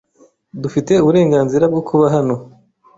Dufite uburenganzira bwo kuba hano .